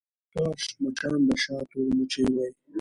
کاش مچان د شاتو مچۍ وی.